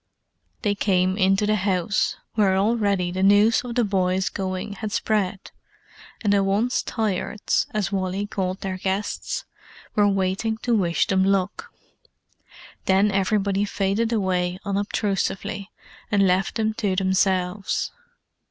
They came into the house, where already the news of the boys' going had spread, and the "Once Tired's," as Wally called their guests, were waiting to wish them luck. Then everybody faded away unobtrusively, and left them to themselves.